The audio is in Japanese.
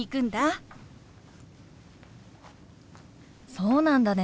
そうなんだね。